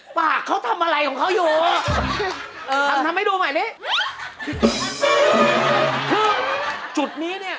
ของเขาอยู่เออทำทำให้ดูใหม่นิคือจุดนี้เนี้ย